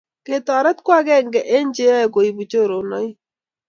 Ketoret ko akenge eng che yoe koibu choronoik.